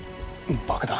爆弾！？